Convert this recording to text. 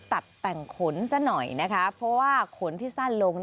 ตัดแต่งขนซะหน่อยนะคะเพราะว่าขนที่สั้นลง